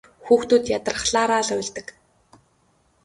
Хүүхдүүд ядрахлаараа уйлдаг.